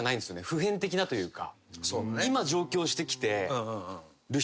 普遍的なというか。